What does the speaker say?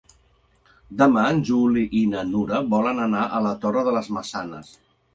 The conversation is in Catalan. Demà en Juli i na Nura volen anar a la Torre de les Maçanes.